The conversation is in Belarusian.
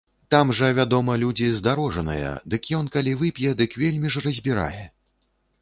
Там жа, вядома, людзі здарожаныя, дык ён калі вып'е, дык вельмі ж разбірае.